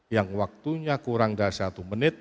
yang waktunya kurang dari satu menit